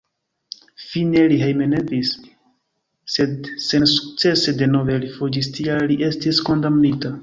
Fine li hejmenvenis, sed sensukcese denove rifuĝis, tial li estis kondamnita.